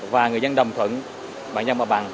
và người dân đồng thuận bằng nhau mặt bằng